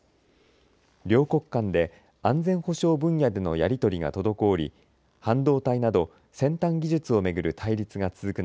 両国間で安全保障分野でのやり取りが滞り半導体など先端技術を巡る対立が続く